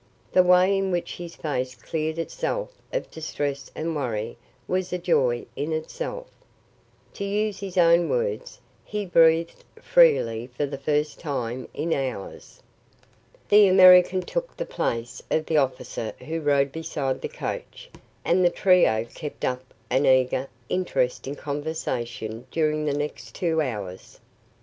The way in which his face cleared itself of distress and worry was a joy in itself. To use his own words, he breathed freely for the first time in hours. "The American" took the place of the officer who rode beside the coach, and the trio kept up an eager, interesting conversation during the next two hours.